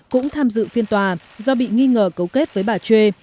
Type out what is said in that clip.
cũng tham dự phiên tòa do bị nghi ngờ cấu kết với bà chu